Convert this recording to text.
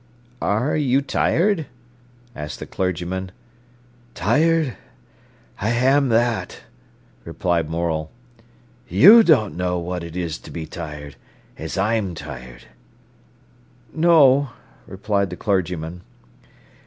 "Are you tired?" asked the clergyman. "Tired? I ham that," replied Morel. "You don't know what it is to be tired, as I'm tired." "No," replied the clergyman.